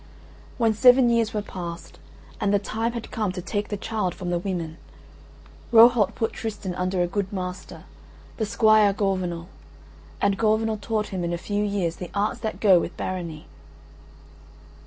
When seven years were passed and the time had come to take the child from the women, Rohalt put Tristan under a good master, the Squire Gorvenal, and Gorvenal taught him in a few years the arts that go with barony.